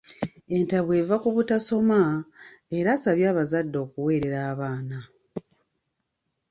Entabwe eva ku butasoma, era asabye abazadde okuweerera abaana.